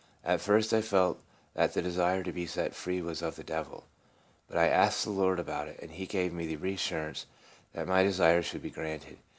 At first I felt that the desire to be set free was of the devil. But I asked the Lord about it, and he gave me the assurance that my de sire should be granted.